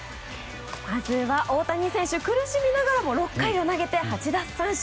まずは大谷選手苦しみながらも６回を投げて８奪三振。